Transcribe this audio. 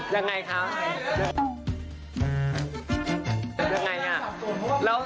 แต่มันก็รู้สึกอาจไปนู่นมากดี